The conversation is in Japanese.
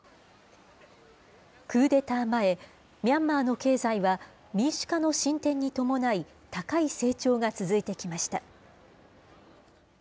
クーデター前、ミャンマーの経済は民主化の進展に伴い、高い成長が続いてきました。